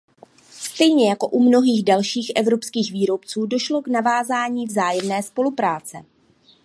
Stejně jako u mnohých dalších evropských výrobců došlo k navázání vzájemné spolupráce.